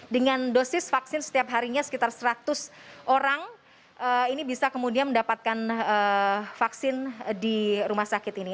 dengan dosis vaksin setiap harinya sekitar seratus orang ini bisa kemudian mendapatkan vaksin di rumah sakit ini